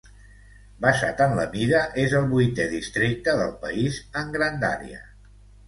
Basat en la mida, és el vuitè districte del país en grandària.